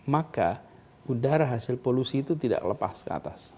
maka udara hasil polusi itu tidak lepas ke atas